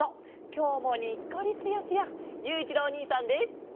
きょうもにっこりスヤスヤゆういちろうおにいさんです！